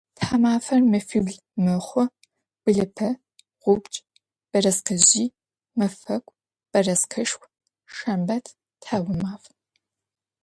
Тхьамафэр мэфибл мэхъу: блыпэ, гъубдж, бэрэскэжъый, мэфэку, бэрэскэшху, шэмбэт, тхьаумаф.